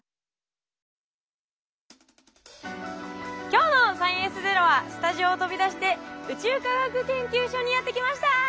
今日の「サイエンスＺＥＲＯ」はスタジオを飛び出して宇宙科学研究所にやって来ました！